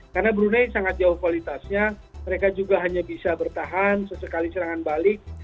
karena brunei sangat jauh kualitasnya mereka juga hanya bisa bertahan sesekali serangan balik